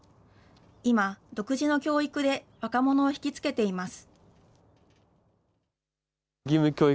今、独自の教育で若者を引き付けています。